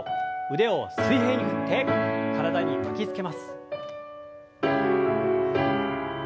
腕を水平に振って体に巻きつけます。